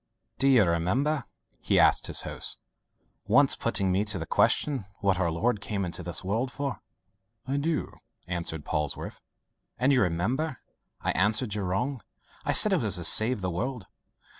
"Do you remember," he asked of his host, "once putting to me the question what our Lord came into this world for?" "I do," answered Polwarth. "And you remember I answered you wrong: I said it was to save the world."